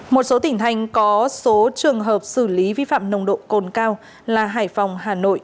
một số tỉnh thành có số trường hợp xử lý vi phạm nồng độ cồn cao là hải phòng hà nội